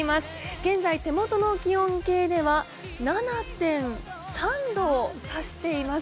現在手元の気温計では７．３度を指しています。